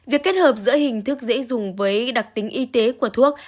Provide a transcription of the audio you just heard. việc kết hợp giữa hình thức dễ dùng với đặc tính y tế của thuốc